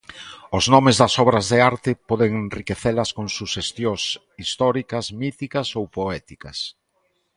Os nomes das obras de arte poden enriquecelas con suxestións históricas, míticas ou poéticas.